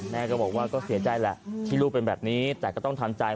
แม่ก็บอกว่าก็เสียใจแหละที่ลูกเป็นแบบนี้แต่ก็ต้องทำใจ